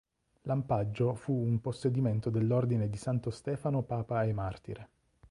Lampaggio fu un possedimento dell'Ordine di Santo Stefano papa e martire.